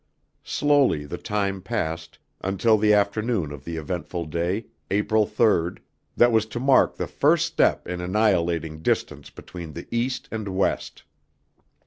Slowly the time passed, until the afternoon of the eventful day, April 3rd, that was to mark the first step in annihilating distance between the East and West.